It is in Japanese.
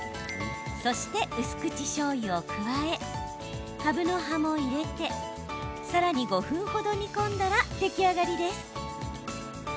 そして、薄口しょうゆを加えかぶの葉も入れてさらに５分程煮込んだら出来上がりです。